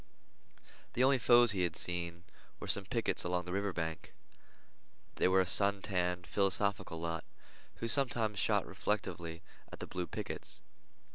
The only foes he had seen were some pickets along the river bank. They were a sun tanned, philosophical lot, who sometimes shot reflectively at the blue pickets.